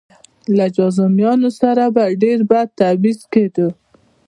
له جذامیانو سره به ډېر بد تبعیض کېده.